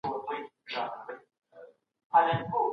ایمان د زړه په همېشهه کي همېشهل کیږي.